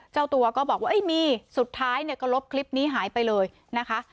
เจ้าตัวก็บอกว่ามีสุดท้ายเนี่ยก็ลบคลิปนี้หายไปเลยนะคะ